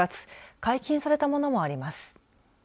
解禁されたものもあります。